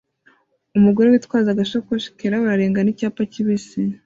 Umugore witwaje agasakoshi kirabura arengana icyapa kibisi